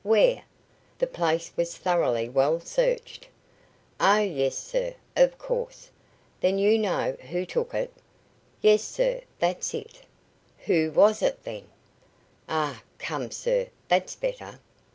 "Where? The place was thoroughly well searched." "Oh! yes, sir, of course." "Then you know who took it?" "Yes, sir; that's it." "Who was it, then?" "Ah! come, sir, that's better."